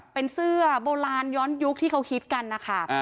เป็นเสื้อโบราณย้อนยุคที่เขาคิดกันนะคะ